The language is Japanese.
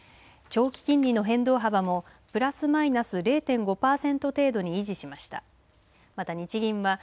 長期金利の変動幅もプラスマイナス０．５パーセント程度に維持しました。